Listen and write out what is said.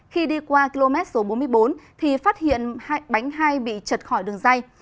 khi đi qua km bốn mươi bốn thì phát hiện bánh hai bị chật khỏi đường dây